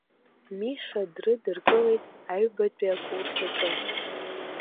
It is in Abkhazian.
Миша дрыдыркылеит аҩбатәи акурс аҿы.